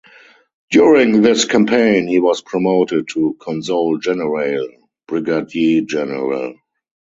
During this campaign he was promoted to "console generale" (Brigadier General).